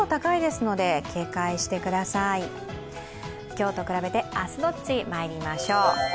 今日と比べて明日どっち、まいりましょう。